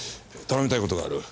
頼みたい事がある。